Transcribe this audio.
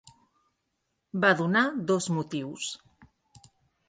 Va donar dos motius.